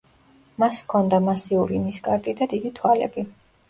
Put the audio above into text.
მას ჰქონდა მასიური ნისკარტი და დიდი თვალები.